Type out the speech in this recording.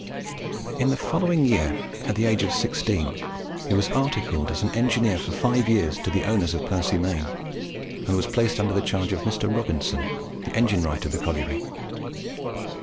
In the following year, at the age of sixteen, he was articled as an engineer for five years to the owners of Percy Main, and was placed under the charge of Mr. Robinson, the engine wright of the colliery.